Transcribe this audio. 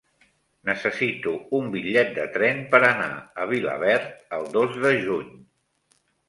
Necessito un bitllet de tren per anar a Vilaverd el dos de juny.